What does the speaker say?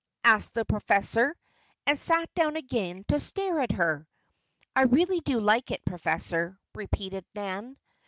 asked the professor, and sat down again to stare at her. "I really do like it, Professor," repeated Nan.